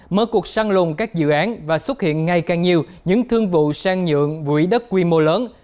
mở cuộc săn lùng các dự án và xuất hiện ngày càng nhiều những thương vụ sang nhượng quỹ đất quy mô lớn